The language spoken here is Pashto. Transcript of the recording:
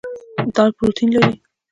دال پروټین لري.